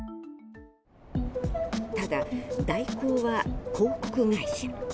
ただ、大広は広告会社。